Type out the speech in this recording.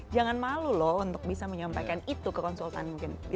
jangan malu loh untuk bisa menyampaikan itu ke konsultan mungkin